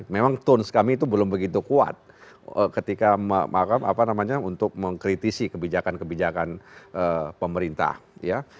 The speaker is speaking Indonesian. memang tones kami itu belum begitu kuat ketika untuk mengkritisi kebijakan kebijakan pemerintah ya